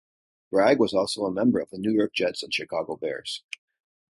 Bragg was also a member of the New York Jets and Chicago Bears.